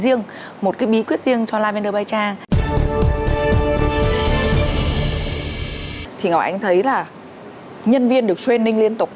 anh thấy là nhân viên được training liên tục